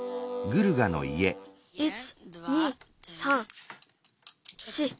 １２３４。